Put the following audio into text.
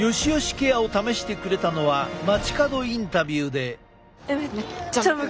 ケアを試してくれたのは街角インタビューで。